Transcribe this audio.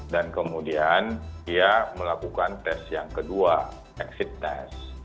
dan kemudian dia melakukan tes yang kedua exit test